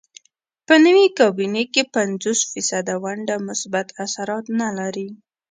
په نوې کابینې کې پنځوس فیصده ونډه مثبت اثرات نه لري.